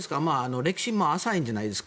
歴史も浅いじゃないですか。